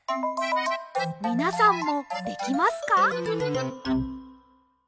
みなさんもできますか？